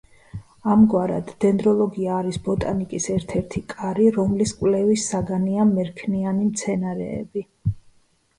ამგვარად, დენდროლოგია არის ბოტანიკის ერთ-ერთი კარი, რომლის კვლევის საგანია მერქნიანი მცენარეები.